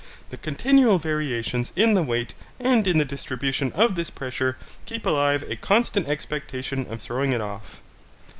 The continual variations in the weight and in the distribution of this pressure keep alive a constant expectation of throwing it off.